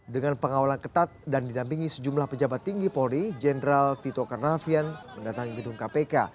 dengan pengawalan ketat dan didampingi sejumlah pejabat tinggi polri jenderal tito karnavian mendatangi gedung kpk